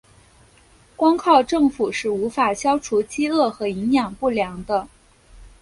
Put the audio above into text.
光靠政府是无法消除饥饿和营养不良的。